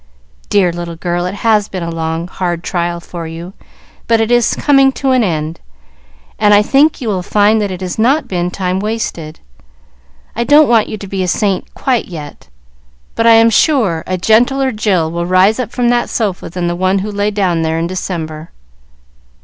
"Dear little girl, it has been a long, hard trial for you, but it is coming to an end, and I think you will find that it has not been time wasted, I don't want you to be a saint quite yet, but I am sure a gentler Jill will rise up from that sofa than the one who lay down there in December."